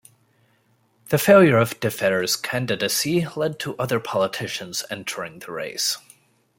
The failure of Defferre's candidacy led to other politicians entering the race.